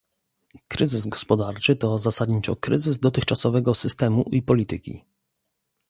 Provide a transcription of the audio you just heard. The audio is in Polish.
kryzys gospodarczy to zasadniczo kryzys dotychczasowego systemu i polityki